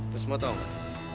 lo semua tahu gak